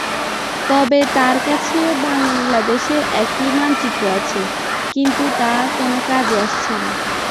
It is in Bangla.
তবে তার কাছে বাংলাদেশের একটা মানচিত্র আছে কিন্তু তা কোন কাজে আসছে না।